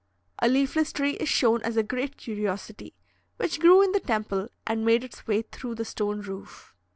A leafless tree is shown as a great curiosity, which grew in the temple and made its way through the stone roof.